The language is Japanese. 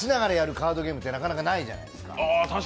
カードゲームってなかなかないじゃないですか。